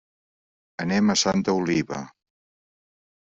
Anem a Santa Oliva.